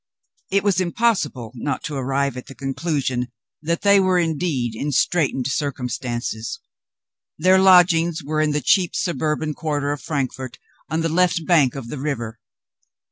It was impossible not to arrive at the conclusion that they were indeed in straitened circumstances. Their lodgings were in the cheap suburban quarter of Frankfort on the left bank of the river.